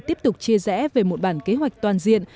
tiếp tục chia rẽ về một bản kế hoạch toàn diện